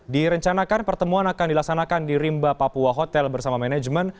direncanakan pertemuan akan dilaksanakan di rimba papua hotel bersama manajemen